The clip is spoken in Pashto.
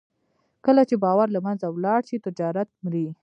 کله چې باور له منځه ولاړ شي، تجارت مري.